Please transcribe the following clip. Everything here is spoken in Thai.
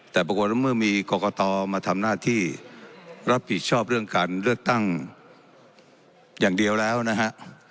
แต่ปรากฏว่าเมื่อมีกรกตมาทำหน้าที่รับผิดชอบเรื่องการเลือกตั้งอย่างเดียวแล้วนะฮะ